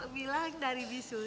bilang dari bisur